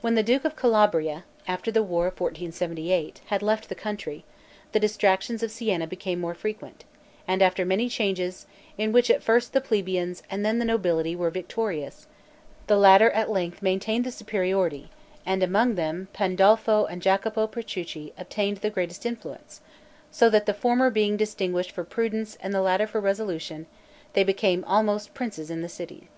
When the duke of Calabria, after the war of 1478, had left the country, the distractions of Sienna became more frequent, and after many changes, in which, first the plebeians, and then the nobility, were victorious, the latter and length maintained the superiority, and among them Pandolfo and Jacopo Petrucci obtained the greatest influence, so that the former being distinguished for prudence and the latter for resolution, they became almost princes in the city.